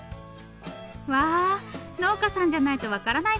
わ農家さんじゃないと分からないかも。